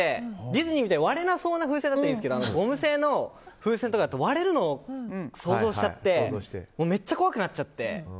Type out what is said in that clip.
ディズニーみたいに割れなそうな風船ならいいですがゴム製の風船とかだと割れるのを想像しちゃってめっちゃ怖くなっちゃって。